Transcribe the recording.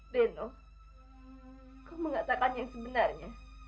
beno kau mengatakan yang sebenarnya